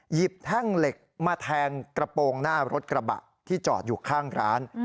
แท่งเหล็กมาแทงกระโปรงหน้ารถกระบะที่จอดอยู่ข้างร้าน